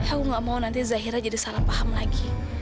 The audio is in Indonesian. aku gak mau nanti zahira jadi salah paham lagi